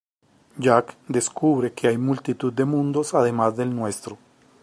Jack descubre que hay multitud de mundos además del nuestro.